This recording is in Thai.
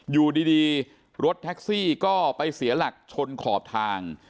อยู่ดีรถแท็กซี่ก็ไปเสียหลักชนขอบทาง